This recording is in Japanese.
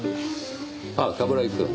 あっ冠城くん。